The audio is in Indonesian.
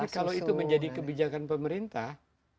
karena kalau itu menjadi kebijakan pemerintah